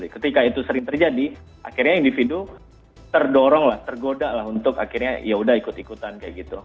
ketika itu sering terjadi akhirnya individu terdorong lah tergoda lah untuk akhirnya yaudah ikut ikutan kayak gitu